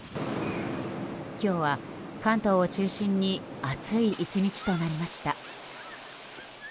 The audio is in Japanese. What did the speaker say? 今日は関東を中心に暑い１日となりました。